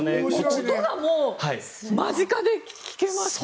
音がもう間近で聞けますよね。